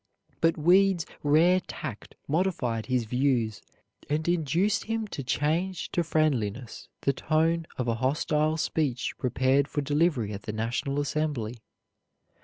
But Weed's rare tact modified his views, and induced him to change to friendliness the tone of a hostile speech prepared for delivery to the National Assembly.